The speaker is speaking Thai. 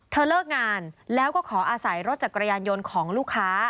เลิกงานแล้วก็ขออาศัยรถจักรยานยนต์ของลูกค้า